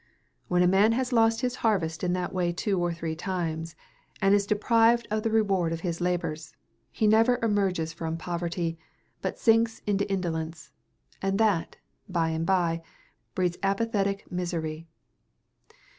When a man has lost his harvest in that way two or three times, and is deprived of the reward of his labors, he never emerges from poverty, but sinks into indolence; and that, by and by, breeds apathetic misery.